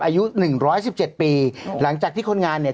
อายุ๑๑๗ปีหลังจากที่คนงานเนี่ย